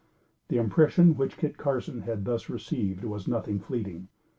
The impression which Kit Carson had thus received, was nothing fleeting.